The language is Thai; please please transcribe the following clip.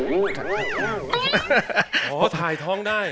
ถ่ายท้องได้อ๋อถ่ายท้องได้